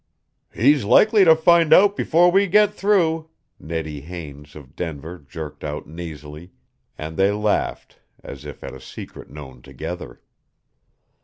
"He's likely to find out before we get through," Neddy Haines, of Denver, jerked out nasally and they laughed as if at a secret known together.